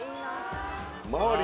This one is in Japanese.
周り